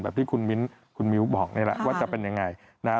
แบบที่คุณมิ้วบอกนี่แหละว่าจะเป็นอย่างไร